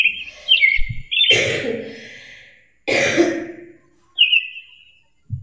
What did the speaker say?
Damu nyeusi na nyepesi huvuja kwenye matundu ya mwili wa mnyama